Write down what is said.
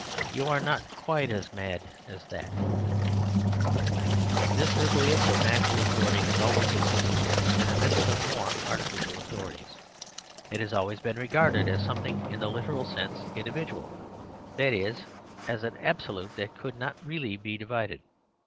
You are not quite so mad as that This nucleus of natural authority has al ways existed in the midst of more artificial authorities. It has always been regarded as something in the literal sense individual ; that is, as an absolute that could not really be di vided.